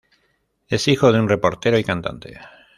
Es hijo de un reportero y cantante.